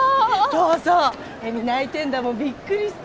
そうそうエミー泣いてんだもんびっくりした。